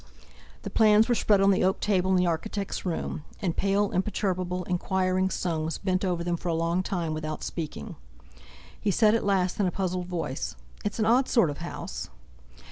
The plans were spread on the oak table in the architect's room; and pale, imperturbable, inquiring, Soames bent over them for a long time without speaking. He said at last in a puzzled voice: "It's an odd sort of house!"